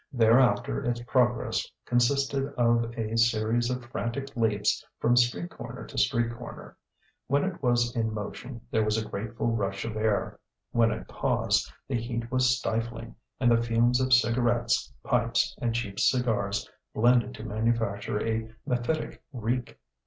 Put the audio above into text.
Thereafter its progress consisted of a series of frantic leaps from street corner to street corner. When it was in motion, there was a grateful rush of air; when at pause, the heat was stifling and the fumes of cigarettes, pipes, and cheap cigars blended to manufacture a mephitic reek.